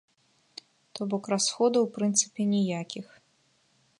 То бок расходаў у прынцыпе ніякіх.